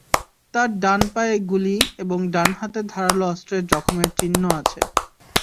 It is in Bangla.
তাঁর ডান পায়ে গুলি এবং ডান হাতে ধারালো অস্ত্রের জখমের চিহ্ন আছে।